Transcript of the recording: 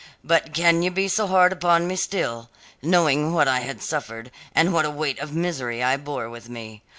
But can you be hard upon me still, knowing what I had suffered, and what a weight of misery I bore with me?